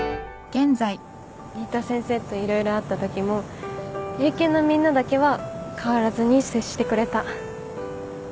新田先生と色々あったときも映研のみんなだけは変わらずに接してくれた。